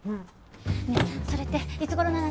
ねえそれっていつ頃の話？